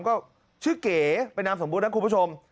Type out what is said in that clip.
ก็ชื่อเก๋ไปน้ำสมบูรณ์นั้นคุณพอร์ชม